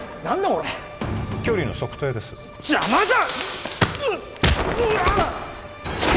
これ距離の測定です邪魔だ！